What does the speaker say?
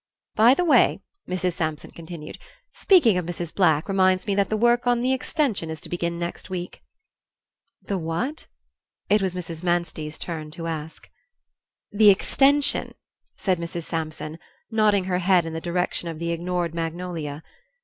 "By the way," Mrs. Sampson continued, "speaking of Mrs. Black reminds me that the work on the extension is to begin next week." "The what?" it was Mrs. Manstey's turn to ask. "The extension," said Mrs. Sampson, nodding her head in the direction of the ignored magnolia.